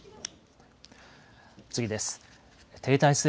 次です。